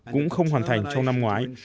cũng không hoàn thành trong năm ngoái